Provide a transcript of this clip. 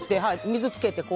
水つけて。